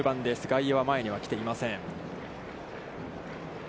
外野は前には来ていません。